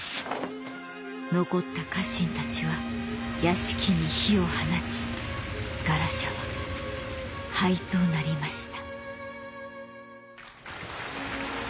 残った家臣たちは屋敷に火を放ちガラシャは灰となりました。